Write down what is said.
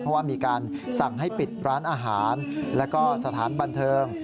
เพราะว่ามีการสั่งให้ปิดร้านอาหารแล้วก็สถานบันเทิง